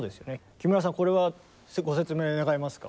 木村さんこれはご説明願えますか？